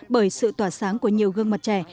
bởi sự tỏa sáng của nhiều gương mặt trẻ